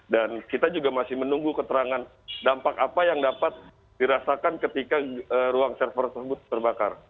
dan kita juga masih menunggu keterangan dampak apa yang dapat dirasakan ketika ruang server tersebut terbakar